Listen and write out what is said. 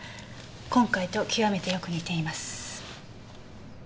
今回と極めてよく似ています。